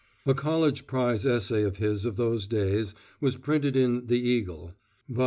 (A College Prize Essay of his of those days was printed in The Eagle (vol.